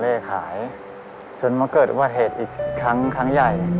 เล่ขายฉลนมาเกิดวัดเหตุอีกครั้งยังใหญ่